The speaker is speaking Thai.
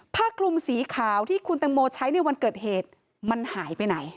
ผ้าคลุมสีขาวที่คุณตังโมใช้ในวันเกิดเหตุมันหายไปไหน